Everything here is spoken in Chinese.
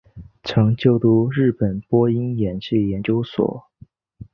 曾就读日本播音演技研究所。